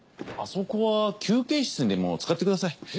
あそこは休憩室にでも使ってください。